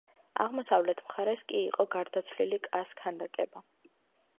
აღმოსავლეთ მხარეს კი იყო გარდაცვლილი კას ქანდაკება.